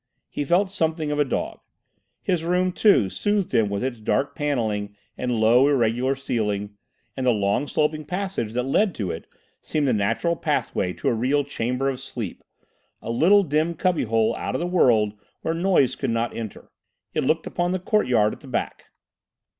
He felt something of a dog. His room, too, soothed him with its dark panelling and low irregular ceiling, and the long sloping passage that led to it seemed the natural pathway to a real Chamber of Sleep—a little dim cubby hole out of the world where noise could not enter. It looked upon the courtyard at the back.